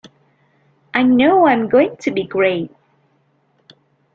I know I'm going to be great.